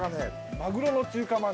マグロの中華まん。